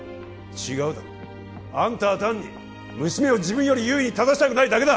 違うだろあんたは単に娘を自分より優位に立たせたくないだけだ！